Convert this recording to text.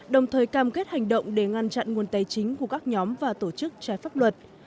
đồng thời cam kết hành động để ngăn chặn nguồn tài chính của các nhóm và tổ chức trái pháp luật